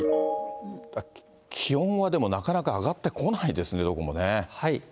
気温はでも、なかなか上がってこないですね、どこもね。